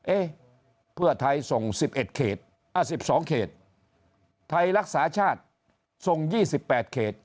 เอ๊ะเพื่อไทยส่ง๑๑เขต๑๒เขตไทยรักษาชาติส่ง๒๘เขต